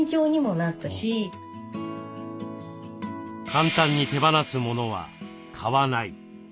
簡単に手放すモノは買わない。